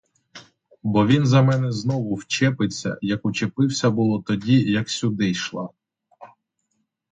Бо він за мене знову вчепиться, як учепився було тоді, як сюди йшла!